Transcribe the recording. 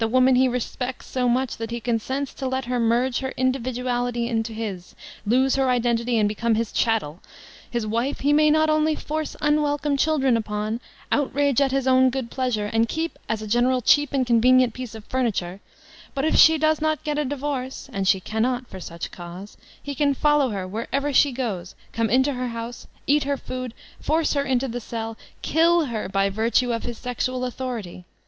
VOLTAIKINE DE ClEYUS man fae respects so much that he consents to let her merge her individuality into his, lose her identity and become his chattel, his wife he may not only force unwelcome chil dren upon, outrage at his own good pleasure, and keep as a general cheap and convenient piece of furniture, but if she does not get a divorce (and she cannot for such cause) he can follow her wherever she goes, come into her house, eat her food, force her into the cell, kill her by virtue of his sexual authority!